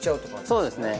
そうですね。